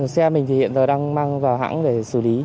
xe mình thì hiện giờ đang mang vào hãng để xử lý